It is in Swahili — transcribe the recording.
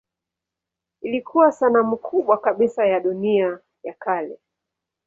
Ilikuwa sanamu kubwa kabisa ya dunia ya kale.